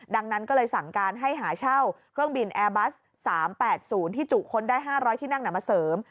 ดังนั้นก็เลยสั่งการให้หาเช่าเครื่องบินแอร์บัส๓๘๐ที่จุคนได้๕๐๐ที่นั่งมาเสริม